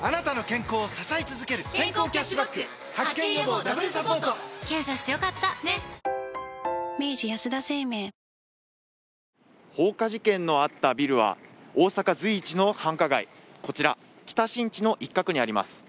ワイドも薄型放火事件のあったビルは大阪随一の繁華街、こちら北新地の一角にあります。